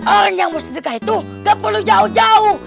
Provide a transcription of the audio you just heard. orang yang mau sedekah itu gak perlu jauh jauh